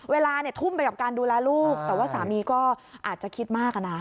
เวลาเนี่ยทุ่มไปกับการดูแลลูกแต่ว่าสามีก็อาจจะคิดมากนะ